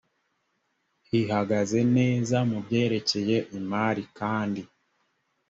ihagaze neza mu byerekeye imari kandi